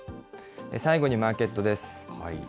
最後にマーケットです。